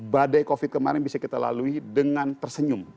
badai covid kemarin bisa kita lalui dengan tersenyum